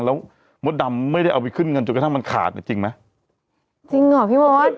แล้วมดดำไม่ได้เอาไปขึ้นเงินจนกระทั่งมันขาดแหละจริงไหม